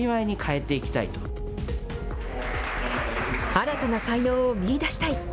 新たな才能を見いだしたい。